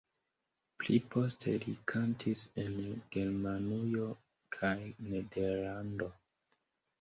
Pli poste li kantis en Germanujo kaj Nederlando.